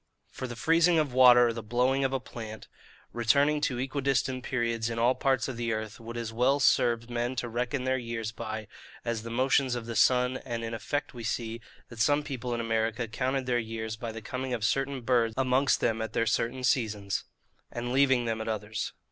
For the freezing of water, or the blooming of a plant, returning at equidistant periods in all parts of the earth, would as well serve men to reckon their years by, as the motions of the sun: and in effect we see, that some people in America counted their years by the coming of certain birds amongst them at their certain seasons, and leaving them at others.